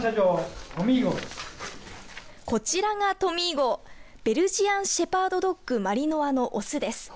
こちらがトミー号ベルジアン・シェパード・ドッグ・マリノアの雄です。